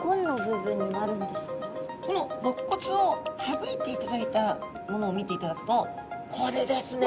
このろっ骨を省いていただいたものを見ていただくとこれですね。